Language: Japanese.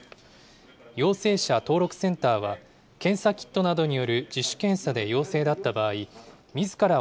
陽性者登録センターは、検査キットなどによる自主検査で陽性だった場合、みずから